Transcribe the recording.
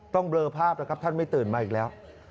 ต้องเบลอภาพนะครับท่านไม่ตื่นมาอีกแล้ว